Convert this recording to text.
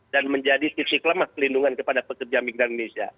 dan menjadi sisi kelemah pelindungan kepada pekerja migran indonesia